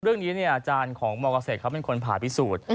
เรื่องนี้เนี่ยอาจารย์ของมเกษตรเขาเป็นคนผ่าพิสูจน์